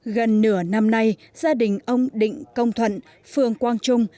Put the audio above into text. gần nửa năm nay gia đình ông định công thuận phường quang trung